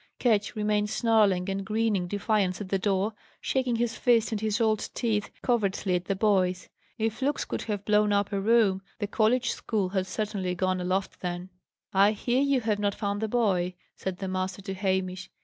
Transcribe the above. Ketch remained snarling and grinning defiance at the door, shaking his fist and his old teeth covertly at the boys. If looks could have blown up a room, the college school had certainly gone aloft then. "I hear you have not found the boy?" said the master to Hamish.